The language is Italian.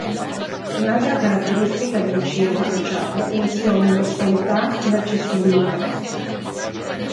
Un'altra caratteristica del circo sociale è la sua universalità e accessibilità.